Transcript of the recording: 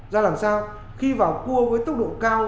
ra làm sao khi vào cua với tốc độ cao